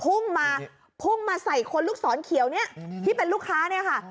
พุ่งมาพุ่งมาใส่คนลูกศรเขียวเนี่ยที่เป็นลูกค้าเนี่ยค่ะ